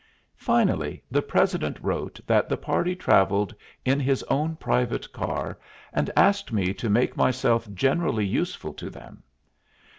Finally the president wrote that the party travelled in his own private car, and asked me to make myself generally useful to them.